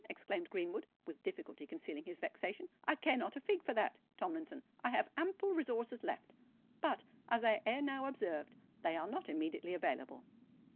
exclaimed Greenwood, with difficulty concealing his vexation. "I care not a fig for that, Tomlinson. I have ample resources left; but, as I ere now observed, they are not immediately available."